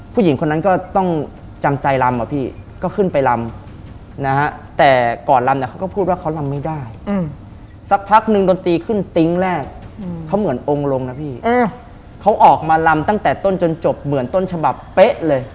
ผู้หญิงคนนั้นก็ต้องจำใจลำอ่ะพี่ก็ขึ้นไปลำนะฮะแต่ก่อนลำเนี่ยเขาก็พูดว่าเขาลำไม่ได้สักพักนึงดนตรีขึ้นติ๊งแรกเขาเหมือนองค์ลงนะพี่เขาออกมาลำตั้งแต่ต้นจนจบเหมือนต้นฉบับเป๊ะเลย